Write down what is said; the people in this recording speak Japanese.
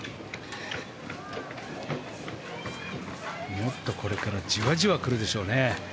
もっとこれからじわじわ来るでしょうね。